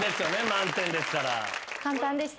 満点ですから。